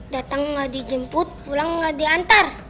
datang nggak dijemput pulang nggak diantar